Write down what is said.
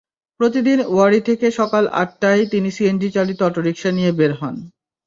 প্রতিদিন ওয়ারী থেকে সকাল আটটায় তিনি সিএনজিচালিত অটোরিকশা নিয়ে বের হন।